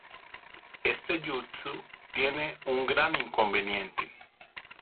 Este Jutsu tiene un gran inconveniente.